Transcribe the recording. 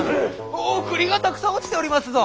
おおっ栗がたくさん落ちておりますぞ！